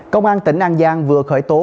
công an tỉnh an giang vừa khởi tố